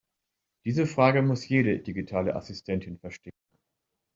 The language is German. Diese Frage muss jede digitale Assistentin verstehen.